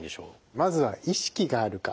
まずは意識があるか。